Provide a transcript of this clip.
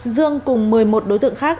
dương cùng một mươi một đối tượng khác